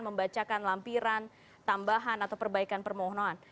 membacakan lampiran tambahan atau perbaikan permohonan